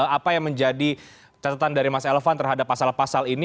apa yang menjadi catatan dari mas elvan terhadap pasal pasal ini